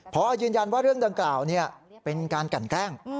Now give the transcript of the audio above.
พอยืนยันว่าเรื่องดังกล่าวเป็นการกันแกล้ง